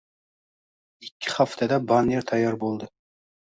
Ikki haftada banner tayyor boʻldi